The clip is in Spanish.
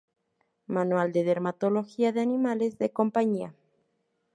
Manual de dermatología de animales de compañía.